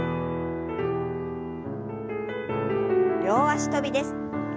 両脚跳びです。